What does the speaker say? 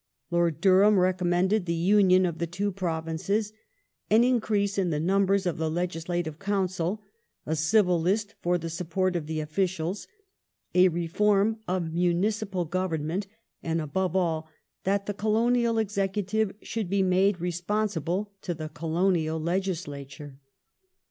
Lord Durham recommended the union of the two Provinces ; an increase in the numbers of the Legislative Council ; a Civil List for the support of the officials ; a reform of municipal government, and, above all, that the C'olonial Executive should be made responsible to the Colonial Legislature.